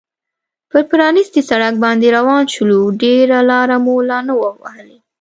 پر پرانیستي سړک باندې روان شولو، ډېره لار مو لا نه وه وهلې.